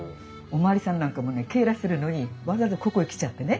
おまわりさんなんかもね警らするのにわざわざここへ来ちゃってね